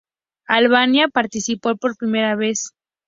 Albania participó por primera vez.